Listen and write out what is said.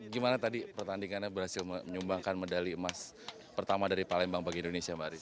gimana tadi pertandingannya berhasil menyumbangkan medali emas pertama dari palembang bagi indonesia mbak aris